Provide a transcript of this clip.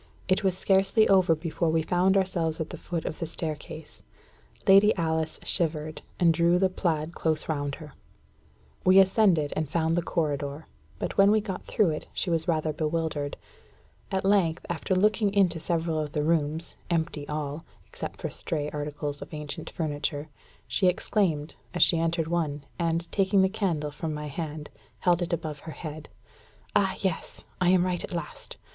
It was scarcely over before we found ourselves at the foot of the staircase. Lady Alice shivered, and drew the plaid close round her. We ascended, and soon found the corridor; but when we got through it, she was rather bewildered. At length, after looking into several of the rooms, empty all, except for stray articles of ancient furniture, she exclaimed, as she entered one, and, taking the candle from my hand, held it above her head "Ah, yes! I am right at last.